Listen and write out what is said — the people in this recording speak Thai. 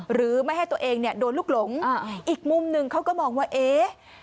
หรือไม่ให้ตัวเองเนี่ยโดนลูกหลงอีกมุมหนึ่งเขาก็มองว่าเอ๊ะ